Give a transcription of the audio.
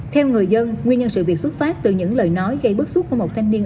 theo người dân nguyên nhân sự việc xuất phát từ những lời nói gây bức xúc của một thanh niên